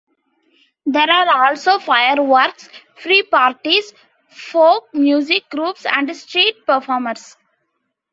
There are also fireworks, free parties, folk music groups and street performers.